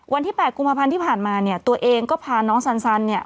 วันที่๘กุมภาพันธ์ที่ผ่านมาเนี่ยตัวเองก็พาน้องสันเนี่ย